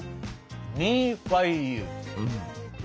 「ミーファイユー」？